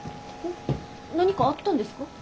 何かあったんですか？